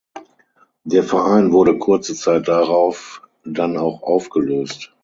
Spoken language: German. Der Verein wurde kurze Zeit darauf dann auch aufgelöst.